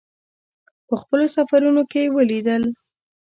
په خپلو سفرونو کې یې ولیدل.